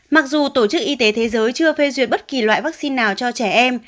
mặc dù tổ chức y tế thế giới chưa phê duyệt bất kỳ loại vaccine nào cho trẻ em